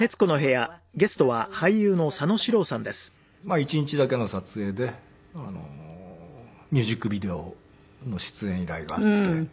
１日だけの撮影でミュージックビデオの出演依頼があって。